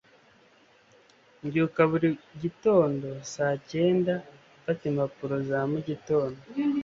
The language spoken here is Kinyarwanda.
mbyuka buri gitondo saa cyenda mfata impapuro za mugitondo